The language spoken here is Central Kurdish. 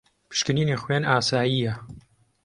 پشکنینی خوێن ئاسایییە.